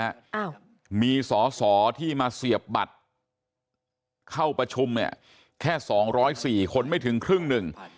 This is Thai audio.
อ้าวมีสอสอที่มาเสียบบัตรเข้าประชุมเนี่ยแค่สองร้อยสี่คนไม่ถึงครึ่งหนึ่ง